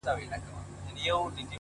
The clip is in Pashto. ښكلي دا ستا په يو نظر كي جــادو”